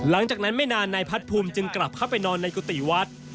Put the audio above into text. หลังจากนั้นไม่นานนายพัดภูมิจึงกลับเข้าไปนอนในกุฏิวัด